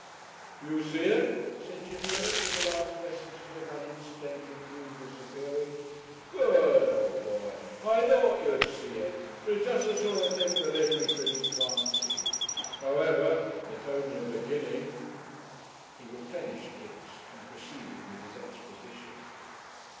"You see it?" said Chitterlow, with the last vestiges of that incidental gloom disappearing. "Good, old boy! I thought you'd see it. But it's just the sort of thing the literary critic can't see. However, it's only a beginning " He replenished Kipps and proceeded with his exposition.